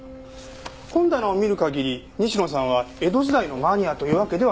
本棚を見る限り西野さんは江戸時代のマニアというわけではなさそうです。